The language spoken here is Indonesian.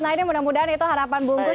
nah ini mudah mudahan itu harapan bungkus